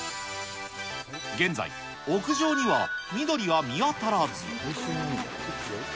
現在、屋上には緑は見当たらず。